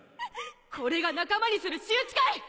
これが仲間にする仕打ちかい！？